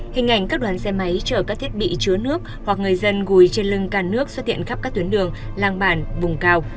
hình ảnh các đoàn xe máy chở các thiết bị chứa nước hoặc người dân gùi trên lưng cà nước xuất hiện khắp các tuyến đường làng bản vùng cao